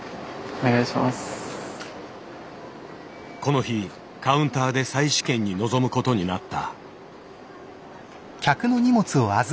この日カウンターで再試験に臨むことになった。